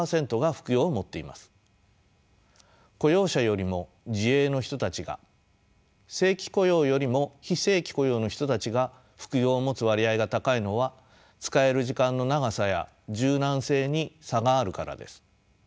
雇用者よりも自営の人たちが正規雇用よりも非正規雇用の人たちが副業を持つ割合が高いのは使える時間の長さや柔軟性に差があるからです。